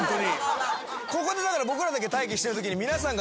ここでだから僕らだけ待機してるときに皆さんが。